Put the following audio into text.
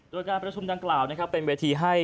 โดยการประชุมดังกล่าวนะครับเป็นเวทีให้